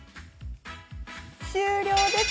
終了です。